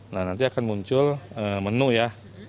nah nanti akan muncul menu ya